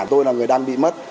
tôi là người đang bị mất